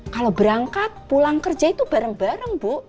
kalau berangkat pulang kerja itu bareng bareng bu